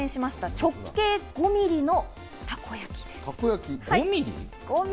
直径５ｍｍのたこ焼きです。